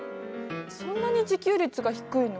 そんなに自給率が低いの？